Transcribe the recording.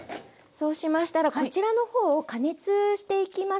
そうしましたらこちらの方を加熱していきます。